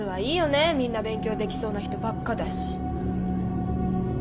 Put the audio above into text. みんな勉強できそうな人ばっかだし。